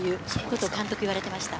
監督が言われていました。